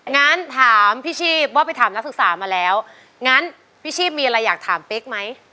งั้นถามพี่ชีพว่าไปถามนักศึกษามาแล้วงั้นพี่ชีพมีอะไรอยากถามเป๊กไหม